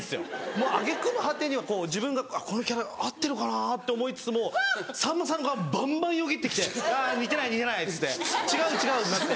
もう揚げ句の果てには自分が「このキャラ合ってるかな？」と思いつつもさんまさんがバンバンよぎって来て「似てない似てない」っつって「違う違う」になって。